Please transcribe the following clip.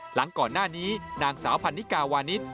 หลังก่อนหน้านี้นางสาวพันนิกาวานิส